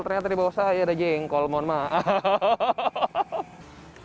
ternyata di bawah saya ada jengkol mohon maaf